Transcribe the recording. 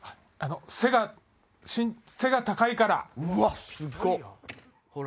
背が背が高いから。